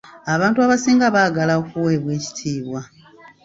Abantu abasinga baagala okuweebwa ekitiibwa.